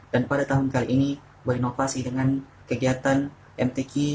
dan pada tahun kali ini berinovasi dengan kegiatan mtk